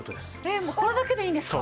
これだけでいいんですか？